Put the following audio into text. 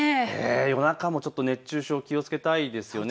夜中も熱中症気をつけたいですよね。